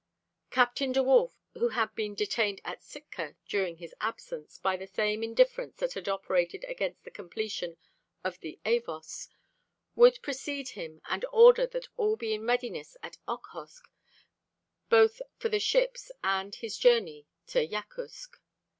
Captain D'Wolf, who had been detained at Sitka during his absence by the same indifference that had operated against the completion of the Avos, would precede him and order that all be in readiness at Okhotsk both for the ships and his journey to Yakutsk.